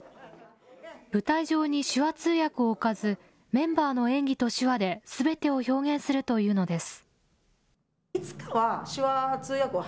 舞台上に手話通訳を置かず、メンバーの演技と手話ですべてを表現するというのです。